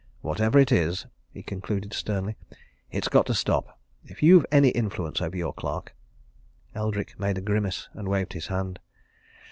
"Whatever it is," he concluded sternly, "it's got to stop! If you've any influence over your clerk " Eldrick made a grimace and waved his hand.